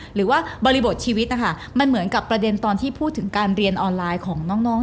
หรือว่าบริบทชีวิตนะคะมันเหมือนกับประเด็นตอนที่พูดถึงการเรียนออนไลน์ของน้อง